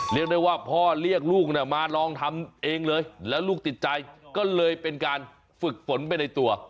เรียกได้ว่าพ่อเรียกลูกมาลองทำเองเลยแล้วลูกติดใจก็เลยเป็นการฝึกฝนไปในตัว